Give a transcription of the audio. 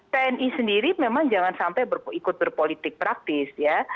tni sendiri memang jangan sampai ikut berpolitik praktis ya